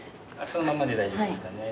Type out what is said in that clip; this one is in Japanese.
そのままで大丈夫ですかね。